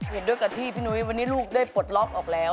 เห็นด้วยกับที่พี่นุ้ยวันนี้ลูกได้ปลดล็อกออกแล้ว